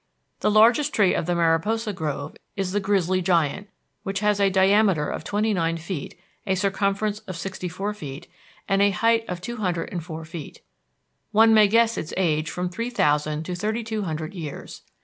The largest tree of the Mariposa Grove is the Grizzly Giant, which has a diameter of twenty nine feet, a circumference of sixty four feet, and a height of two hundred and four feet. One may guess its age from three thousand to thirty two hundred years.